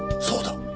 そうだ。